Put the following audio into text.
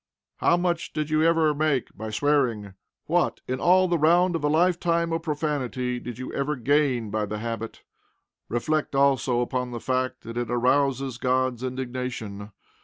How much did you ever make by swearing? What, in all the round of a lifetime of profanity, did you ever gain by the habit? Reflect, also, upon the fact that it arouses God's indignation.